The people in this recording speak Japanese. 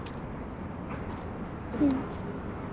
うん。